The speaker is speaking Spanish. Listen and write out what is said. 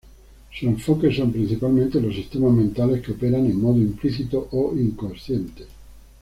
Su enfoque son principalmente los sistemas mentales que operan en modo implícito o inconsciente.